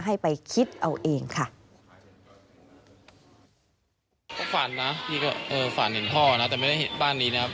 ให้ไปคิดเอาเองค่ะ